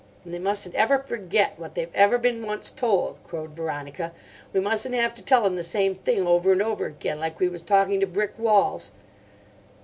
"And they mustn't ever forget what they've ever been once told," crowed Veronica. "We mustn't have to tell 'em the same thing over and over again, like we was talking to brick walls."